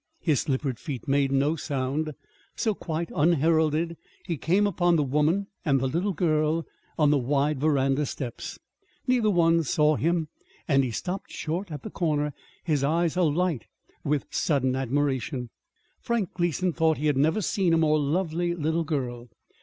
His slippered feet made no sound, so quite unheralded he came upon the woman and the little girl on the wide veranda steps. Neither one saw him, and he stopped short at the corner, his eyes alight with sudden admiration. Frank Gleason thought he had never seen a more lovely little girl.